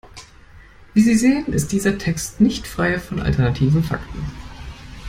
Wie Sie sehen, ist dieser Text nicht frei von alternativen Fakten.